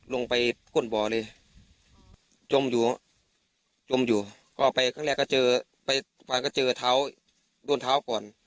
ลงไปก้นบ่อเลยจมอยู่จมอยู่ก็ไปครั้งแรกก็เจอไปก็เจอเท้าโดนเท้าก่อน